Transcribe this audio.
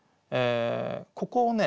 ここをね